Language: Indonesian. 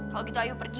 kalo gitu ayu pergi